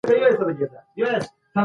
هغوی اوس د نړۍ د عجيبو رازونو څېړنه کوي.